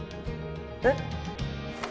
えっ？